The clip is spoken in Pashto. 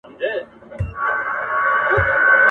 د پښتنو هر مشر ..